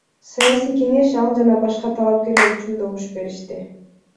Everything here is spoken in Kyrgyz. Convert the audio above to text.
Саясий кеңеш ал жана башка талапкерлер үчүн добуш беришти.